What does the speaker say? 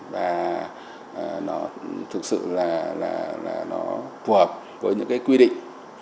và thực sự là nó phù hợp với những quy định